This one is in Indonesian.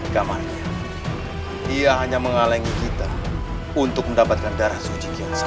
kamarnya ia hanya mengalengi kita untuk mendapatkan darah suci kiasa